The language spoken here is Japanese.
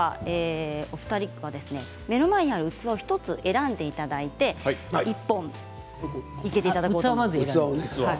目の前にある器を１つ選んでいただいて１本生けていただこうと思います。